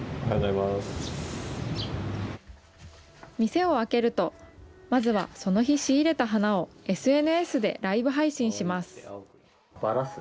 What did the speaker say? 店を開けると、まずはその日仕入れた花をＳＮＳでライブ配信します。